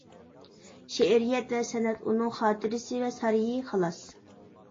شېئىرىيەت ۋە سەنئەت ئۇنىڭ خاتىرىسى ۋە سارىيى، خالاس.